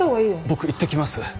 僕行ってきます。